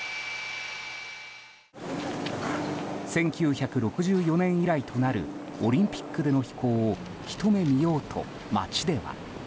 １９６４年以来となるオリンピックでの飛行をひと目見ようと街では。